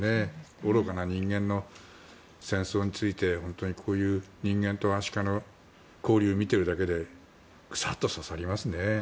愚かな人間の戦争についてこういう人間とアシカの交流を見てるだけでグサッと刺さりますね。